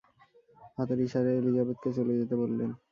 হাতের ইশারায় এলিজাবেথকে চলে যেতে বললেন।